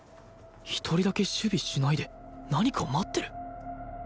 １人だけ守備しないで何かを待ってる！？